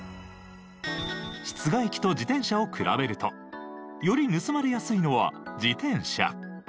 室外機と自転車を比べるとより盗まれやすいのは自転車。